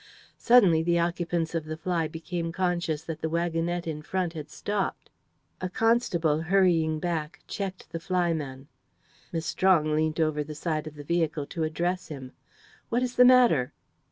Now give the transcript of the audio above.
Suddenly the occupants of the fly became conscious that the waggonette in front had stopped. A constable, hurrying back, checked the flyman. Miss Strong leant over the side of the vehicle to address him. "What is the matter?"